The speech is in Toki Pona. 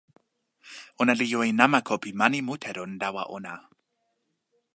ona li jo e namako pi mani mute lon lawa ona.